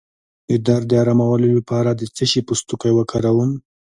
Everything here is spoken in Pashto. د درد د ارامولو لپاره د څه شي پوستکی وکاروم؟